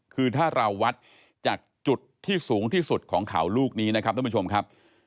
คือถ้าเราวัดจากจุดที่สูงที่สุดของเขาลูกนี้นะครับท่านผู้ชมครับ